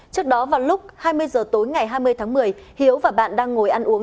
trước đó vào lúc hai mươi giờ tối ngày hai mươi tháng một mươi hiếu và bạn đang ngồi ăn uống